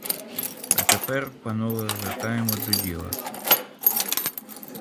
А тепер, панове, вертаємо до діла.